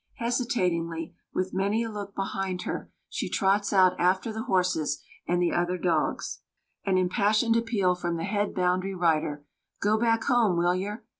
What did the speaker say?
Hesitatingly, with many a look behind her, she trots out after the horses and the other dogs. An impassioned appeal from the head boundary rider, "Go back home, will yer!"